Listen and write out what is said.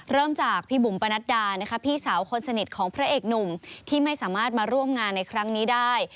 เริ่มจากพี่บุ๋มปนัดดานะคะพี่สาวคนสนิทของพระเอกหนุ่มที่ไม่สามารถมาร่วมงานในครั้งนี้ได้